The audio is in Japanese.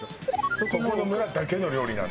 そこの村だけの料理なんだ。